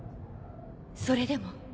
それでも。